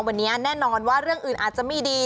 วันนี้แน่นอนว่าเรื่องอื่นอาจจะไม่ดี